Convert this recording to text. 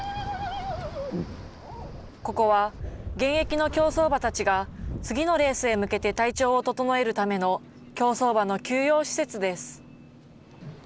ここは現役の競走馬たちが次のレースへ向けて体調を整えるための競走馬の休養施設です。